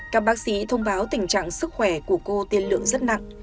các bác sĩ thông báo tình trạng sức khỏe của cô tiên lượng rất nặng